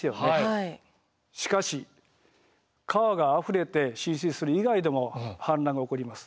しかし川があふれて浸水する以外でも氾濫が起こります。